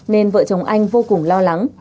nên vợ chồng anh vô cùng lo lắng